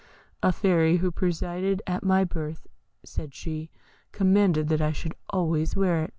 'A Fairy who presided at my birth,' said she, 'commanded that I should always wear it.'